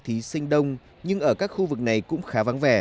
thí sinh đông nhưng ở các khu vực này cũng khá vắng vẻ